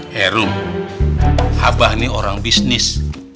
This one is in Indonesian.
herum abah ini orang bisnis